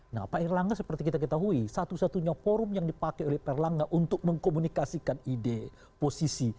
nah pak erlangga seperti kita ketahui satu satunya forum yang dipakai oleh pak erlangga untuk mengkomunikasikan ide posisi